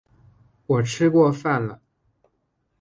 我吃过饭了